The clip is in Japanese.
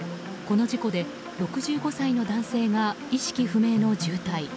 この事故で６５歳の男性が意識不明の重体。